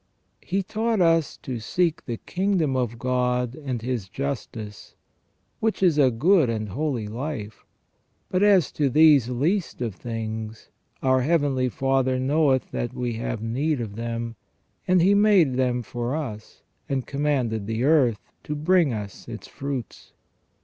He taught us to seek the kingdom of God and His justice, which is a good and holy life ; but as to these least of things, our Heavenly Father knoweth that we have need of them, and He made them for us, and commanded the earth to bring us its fruits.